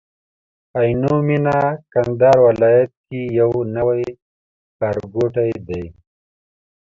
عينو مينه کندهار ولايت کي يو نوي ښارګوټي دي